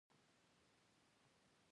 افغانستان څومره ګاز لري؟